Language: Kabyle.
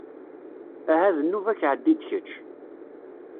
Aha d nnuba-k ɛeddi-d kečč.